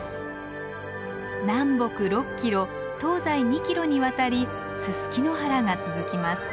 南北６ｋｍ東西２ｋｍにわたりススキ野原が続きます。